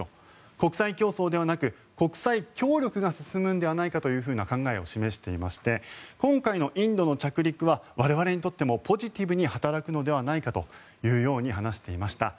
国際競争ではなく国際協力が進むのではないかという考えを示していまして今回のインドの着陸は我々にとってもポジティブに働くのではないかと話していました。